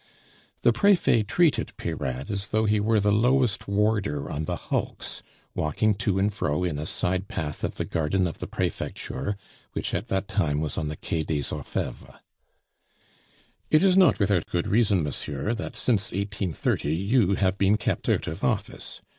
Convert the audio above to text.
The Prefet treated Peyrade as though he were the lowest warder on the hulks, walking to and fro in a side path of the garden of the Prefecture, which at that time was on the Quai des Orfevres. "It is not without good reason, monsieur, that since 1830 you have been kept out of office.